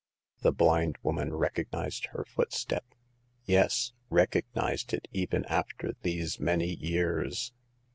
The blind woman recognized her footstep : yes ! recog nized it, even after these many years.